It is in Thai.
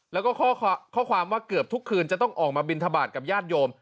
แล้วก็ข้อความว่าเกือบทุกคืนจะต้องออกมาบินทบาทกับญาติโยม